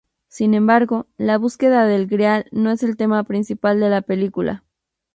Sin embargo, la búsqueda del Grial no es el tema principal de la película.